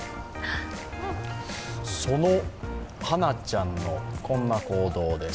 その、ハナちゃんのこんな行動です。